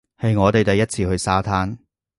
係我哋第一次去沙灘